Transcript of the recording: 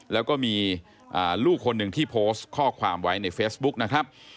แล้วก็มีลูกคนหนึ่งที่โพสต์ข้อความไว้ในเฟซบุ๊กนะครับ